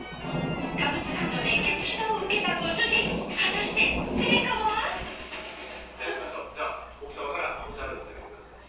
田渕さんの熱血指導を受けたご主人果たして成果はじゃあいきましょう奥さまから「アホちゃう？」言ってあげてください